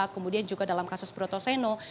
kemudian juga dalam kasus broto seno